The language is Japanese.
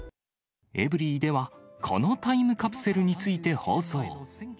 エブリィでは、このタイムカプセルについて放送。